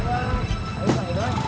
kopinya gak boleh naik banget